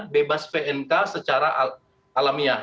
bebas pnk secara alamiah